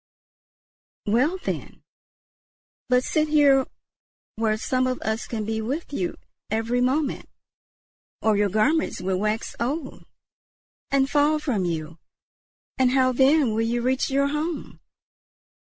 "Well, then; but sit here where some of us can be with you every moment, or your garments will wax old and fall from you, and how then will you reach your home?"